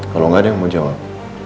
kalau nggak ada yang mau jawab